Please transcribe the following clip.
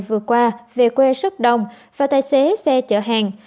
vừa qua về quê rất đông và tài xế xe chở hàng